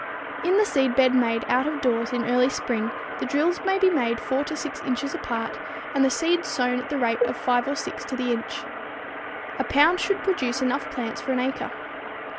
In the seedbed made out of doors in early spring, the drills may be made 4 to 6 inches apart and the seeds sown at the rate of 5 or 6 to the inch. A pound should produce enough plants for an acre.